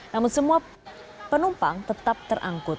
namun semua penumpang tetap terangkut